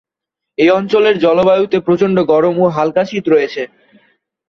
এই অঞ্চলের জলবায়ুতে প্রচণ্ড গরম ও হালকা শীত রয়েছে।